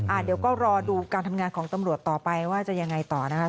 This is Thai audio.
เดี๋ยวก็รอดูการทำงานของตำรวจต่อไปว่าจะยังไงต่อนะคะ